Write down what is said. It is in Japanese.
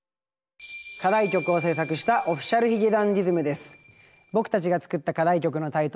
課題曲を制作したＯｆｆｉｃｉａｌ髭男ｄｉｓｍです。